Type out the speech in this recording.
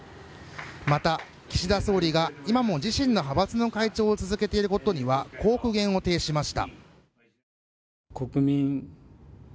また、岸田総理が今も自身の派閥の会長を続けていることにはこう苦言を呈しました。